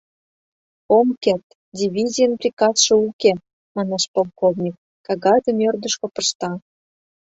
— Ом керт, дивизийын приказше уке, — манеш полковник, кагазым ӧрдыжкӧ пышта.